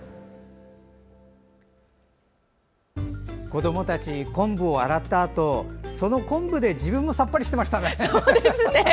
子どもたちはこんぶを洗ったあとそのこんぶで自分もさっぱりしてましたね。